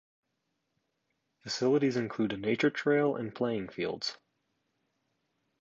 Facilities include a nature trail and playing fields.